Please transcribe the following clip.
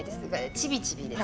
ちびちびです。